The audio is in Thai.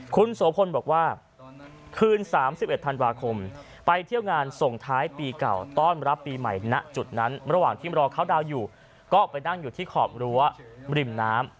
คุณโสพลบอกว่าคืน๓๑ธันวาคมไปเที่ยวงานส่งท้ายปีเก่าต้อนรับปีใหม่ณจุดนั้นระหว่างที่รอเขาดาวน์อยู่ก็ไปนั่งอยู่ที่ขอบรั้วริมน้ำ